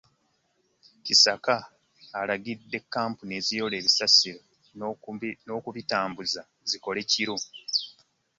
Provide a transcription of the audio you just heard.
Kisaka alagidde kkampuni eziyoola kasasiro n'okumutambuza zikole kiro